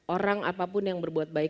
orang apapun yang berbuat baik